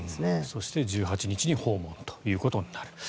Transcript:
そして１８日に訪問ということになる。